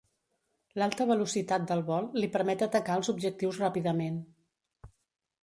L'alta velocitat del vol li permet atacar els objectius ràpidament.